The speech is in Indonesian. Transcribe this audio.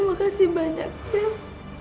makasih banyak bela